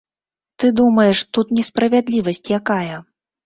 Ты думаеш, тут несправядлівасць якая?